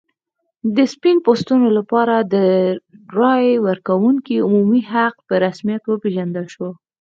د سپین پوستو لپاره د رایې ورکونې عمومي حق په رسمیت وپېژندل شو.